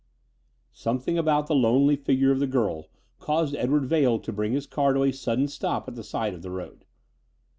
] Something about the lonely figure of the girl caused Edward Vail to bring his car to a sudden stop at the side of the road.